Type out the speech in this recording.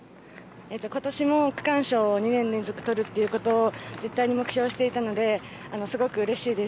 今年も区間賞、２年連続取るということを絶対に目標にしていたのですごくうれしいです。